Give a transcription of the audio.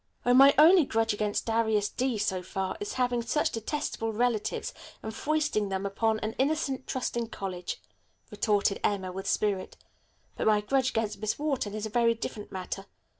"Oh, my only grudge against Darius D. so far is his having such detestable relatives and foisting them upon an innocent, trusting college," retorted Emma with spirit, "but my grudge against Miss Wharton is a very different matter.